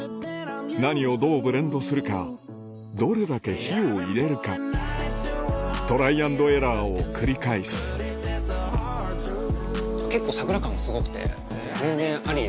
何をどうブレンドするかどれだけ火を入れるかトライアンドエラーを繰り返す結構桜感がすごくて全然ありですね。